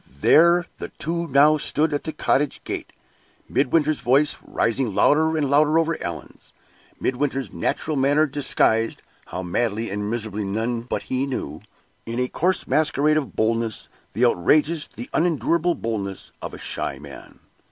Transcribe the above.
There the two now stood at the cottage gate Midwinter's voice rising louder and louder over Allan's Midwinter's natural manner disguised (how madly and miserably none but he knew!) in a coarse masquerade of boldness the outrageous, the unendurable boldness of a shy man.